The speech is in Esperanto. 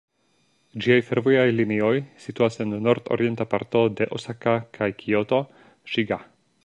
Ĝiaj fervojaj linioj situas en nord-orienta parto de Osaka kaj Kioto, Ŝiga.